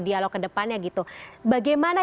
dialog ke depannya gitu bagaimana